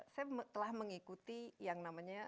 saya telah mengikuti yang namanya